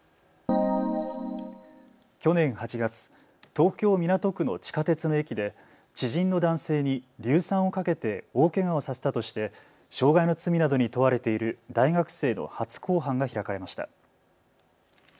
去年８月、東京港区の地下鉄の駅で知人の男性に硫酸をかけて大けがをさせたとして傷害の罪などに問われている大学生の初公判が開かれました。